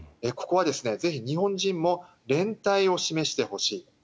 ここはぜひ日本人も連帯を示してほしい。